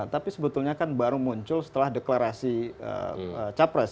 tapi sebetulnya kan baru muncul setelah deklarasi capres